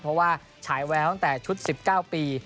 เพราะว่าฉายแววตั้งแต่ชุด๑๙ปี